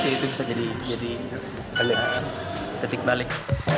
itu bisa jadi detik balik